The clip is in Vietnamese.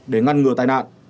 để ngăn ngừa tai nạn